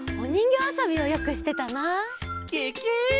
ケケ！